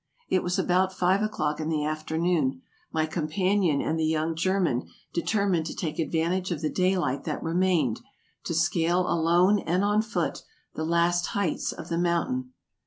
It was about five o'clock in the afternoon; my companion and the young German determined to take advantage of the daylight that remained, to scale alone and on foot the last heights of the mountain.